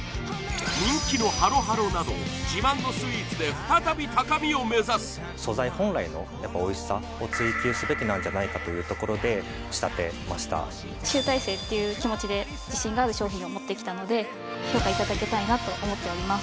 人気のハロハロなど自慢のスイーツで再び高みを目指す素材本来のおいしさを追求すべきなんじゃないかというところで仕立てました集大成っていう気持ちで自信がある商品を持ってきたので評価いただきたいなと思っております